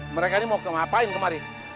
mereka ini mau ngapain kemarin